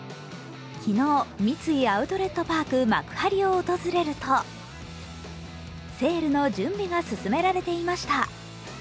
昨日、三井アウトレットパーク幕張を訪れるとセールの準備が進められていました。